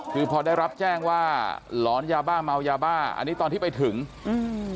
คือพอได้รับแจ้งว่าหลอนยาบ้าเมายาบ้าอันนี้ตอนที่ไปถึงอืม